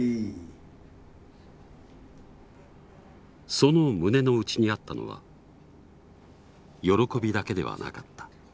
その胸の内にあったのは喜びだけではなかった。